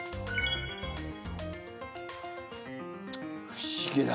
不思議だ！